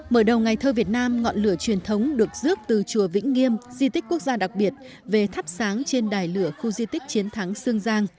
mở đầu ngày thơ việt nam ngọn lửa truyền thống được rước từ chùa vĩnh nghiêm di tích quốc gia đặc biệt về thắp sáng trên đài lửa khu di tích chiến thắng sương giang